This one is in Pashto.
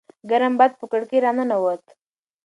ګرم باد په کړکۍ راننووت.